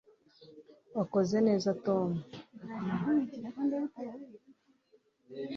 t] wakoze neza, tom